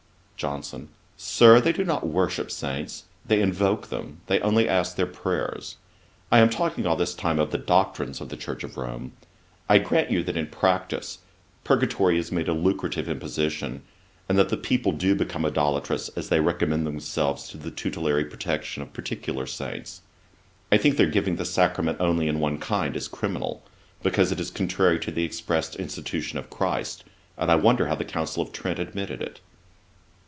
JOHNSON. 'Sir, they do not worship saints; they invoke them; they only ask their prayers. I am talking all this time of the doctrines of the Church of Rome. I grant you that in practice, Purgatory is made a lucrative imposition, and that the people do become idolatrous as they recommend themselves to the tutelary protection of particular saints. I think their giving the sacrament only in one kind is criminal, because it is contrary to the express institution of CHRIST, and I wonder how the Council of Trent admitted it.'